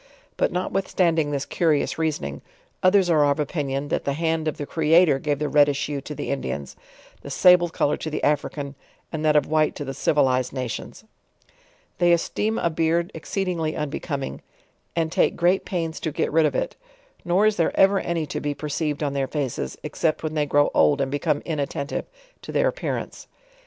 But notwithstanding this curious reasoning, others are of opinion, that the hand of tho Creator gave the reddish hue to the Indians, the sable color to the African, and that of white to the civilized na tions. They esteem a beard exceedingly unbecoming, and take great pains to get rid of it; nor is there ever any to be per ceived on their faces, except when they grow old and .become inattentive to their appearance.